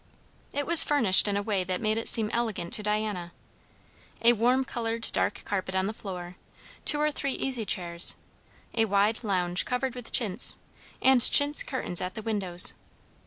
It was furnished in a way that made it seem elegant to Diana. A warm coloured dark carpet on the floor, two or three easy chairs, a wide lounge covered with chintz, and chintz curtains at the windows.